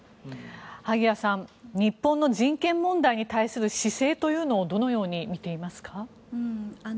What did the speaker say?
萩谷さん、日本の人権問題に対する姿勢というのをどのように見ていますか？